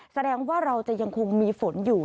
แสดงว่าเราจะยังคงมีฝนอยู่